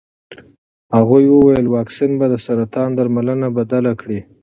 هغې وویل واکسین به د سرطان درملنه بدله کړي.